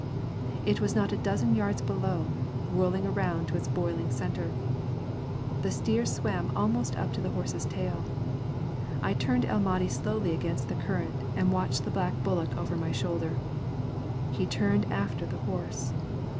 It was not a dozen yards below, whirling around to its boiling centre. The steer swam almost up to the horse's tail. I turned El Mahdi slowly against the current, and watched the black bullock over my shoulder. He turned after the horse.